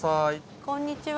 こんにちは。